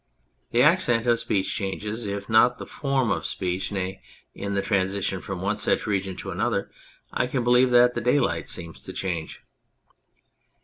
The accent of speech changes, if not the form of speech ; nay, in the transition from one such region to another I can believe that the daylight seems to change.